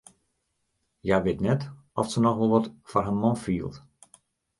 Hja wit net oft se noch wol wat foar har man fielt.